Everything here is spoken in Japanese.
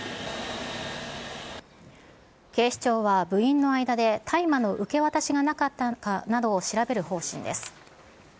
警視庁は部員の間で大麻の受け渡しがなかったかなどを調べる方針です。